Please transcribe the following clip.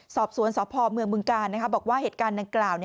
สอบสวนสพเมืองบึงกาลบอกว่าเหตุการณ์ดังกล่าว